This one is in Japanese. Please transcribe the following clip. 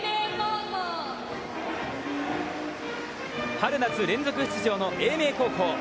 春夏連続出場の英明高校。